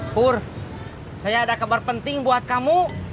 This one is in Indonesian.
pur saya ada kabar penting buat kamu